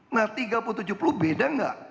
nah tiga puluh tujuh puluh beda nggak